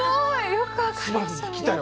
よく分かりましたね。